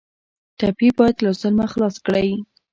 ټپي باید له ظلمه خلاص کړئ.